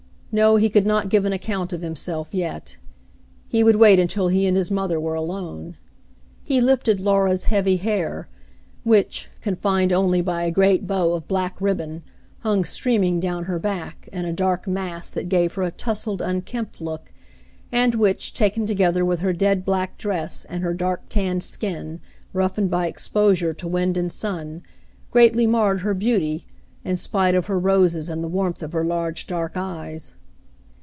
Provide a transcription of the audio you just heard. No, he could not give an account of himself yet. He would wait until he and his mother were alone. He lifted Laura's heavy hair, which, confined only by a great bow of black ribbon, hung streaming down her back, in a dark mass that gave her a tousled, unkempt look, and which, taken together with her dead black dress, and her dark tanned skin, roughened by exposure to wind and sun, greatly marred her beauty, in spite of her roses and the warmth of her large dark eyes.